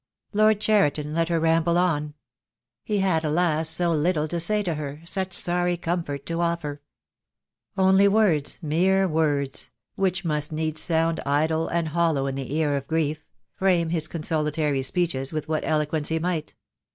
Lord Cheriton let her ramble on. He had, alas, so little to say to her, such sorry comfort to offer. Only words, mere words — which must needs sound idle and hollow in the ear of grief, frame his consolatory speeches with what eloquence he might.